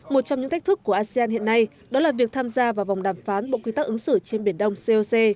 một trong những thách thức của asean hiện nay đó là việc tham gia vào vòng đàm phán bộ quy tắc ứng xử trên biển đông coc